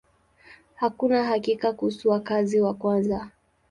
Hakuna hakika kuhusu wakazi wa kwanza.